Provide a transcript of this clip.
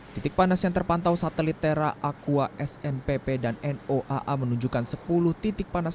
titik panas yang terpantau satelit tera aqua snpp dan noaa menunjukkan sepuluh titik panas